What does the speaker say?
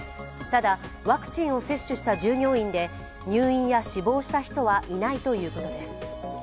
ただワクチンを接種した従業員で入院や死亡した人はいないということです。